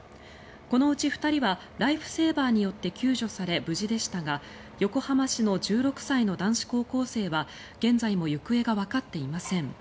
このうち２人はライフセーバーによって救助され無事でしたが横浜市の１６歳の男子高校生は現在も行方がわかっていません。